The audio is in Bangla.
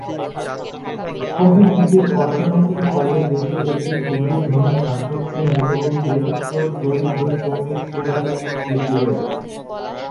কফি-ভিত্তিক অর্থনীতির ফলে দেশে একটি ক্ষুদ্র, ধনী শাসক শ্রেণী এবং বৃহত্তর, দরিদ্র, শ্রমিক শ্রেণীর সৃষ্টি হয়েছে।